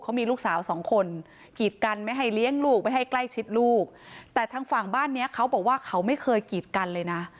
เขามีลูกสาวสองคนกีดกันไม่ให้เลี้ยงลูกไม่ให้ใกล้ชิดลูกแต่ทางฝั่งบ้านเนี้ยเขาบอกว่าเขาไม่เคยกีดกันเลยนะ